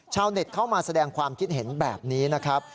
ชาวเน็ตเข้ามาแสดงความคิดเห็นแบบนี้นะครับ